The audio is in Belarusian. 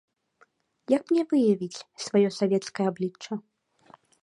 Як мне выявіць сваё савецкае аблічча?